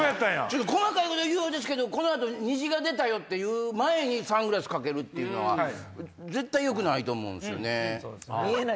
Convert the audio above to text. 細かいこと言うようですけど「虹が出たよ」って言う前にサングラスかけるっていうのは絶対よくないと思うんですよね。